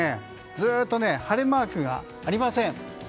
ずっと晴れマークがありません。